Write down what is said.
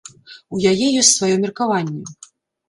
У яе ёсць сваё меркаванне.